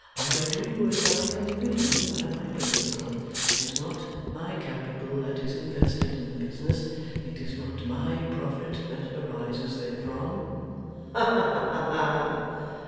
'I do as I am bidden by my principal. It is not my capital that is invested in the business. It is not my profit that arises therefrom.' 'Ha ha!